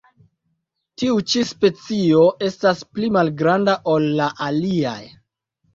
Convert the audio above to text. Tiu ĉi specio estas pli malgranda ol la aliaj.